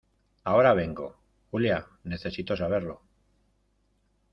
ahora vengo. Julia, necesito saberlo .